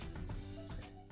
dalam kondisi seperti ini